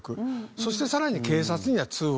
そしてさらに警察には通報する。